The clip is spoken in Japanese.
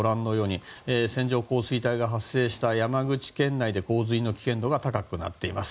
線状降水帯が発生した山口県内で洪水の危険度が高くなっています。